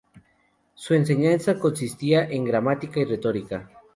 Su enseñanza consistía en gramática y retórica.